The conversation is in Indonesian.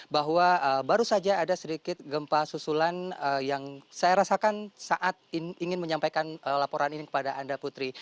bahwa baru saja ada sedikit gempa susulan yang saya rasakan saat ingin menyampaikan laporan ini kepada anda putri